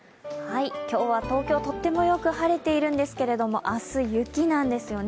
今日は東京とってもよく晴れているんですけども明日、雪なんですよね。